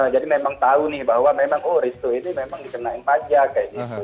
jadi memang tahu nih bahwa memang restu ini memang dikenain pajak